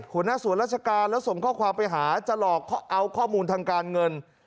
หัวหน้าสวนราชการแล้วส่งข้อความไปหาจะหลอกเอาข้อมูลทางการเงิน